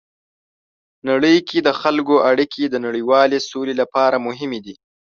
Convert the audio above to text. نړۍ کې د خلکو اړیکې د نړیوالې سولې لپاره مهمې دي.